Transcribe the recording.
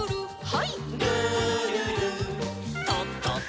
はい。